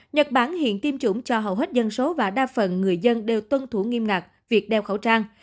nhật bản hiện tiêm chủng cho hầu hết dân số và đa phần người dân đều tuân thủ nghiêm ngặt việc đeo khẩu trang